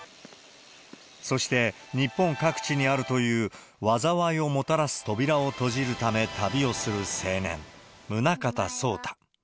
そして、日本各地にあるという災いをもたらす扉を閉じるため旅をする青年、宗像草太。